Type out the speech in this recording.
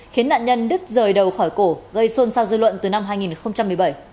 khiến nạn nhân đứt rời đầu khỏi cổ gây xôn xao dư luận từ năm hai nghìn một mươi bảy